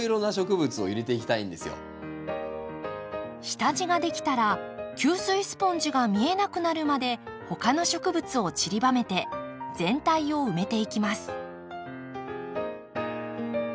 下地ができたら吸水スポンジが見えなくなるまで他の植物をちりばめて全体を埋めていきます。